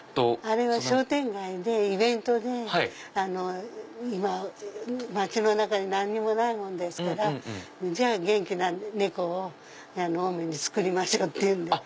あれは商店街でイベントで今町の中に何もないもんですからじゃあ元気な猫を青梅に作りましょう！って。